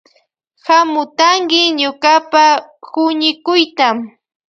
Hamutanki ñukapa huñikuyta.